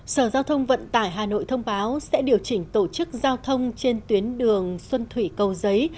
sở giao thông vận tải hà nội thông báo sẽ điều chỉnh tổ chức giao thông trên tuyến đường xuân thủy cầu giấy